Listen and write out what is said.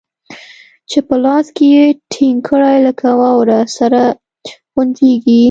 چې په لاس کښې يې ټينګ کړې لکه واوره سره غونجېږي.